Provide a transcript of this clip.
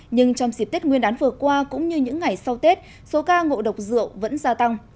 nhưng trong dịp tết nguyên đán vừa qua cũng như những ngày sau tết số ca ngộ độc rượu vẫn gia tăng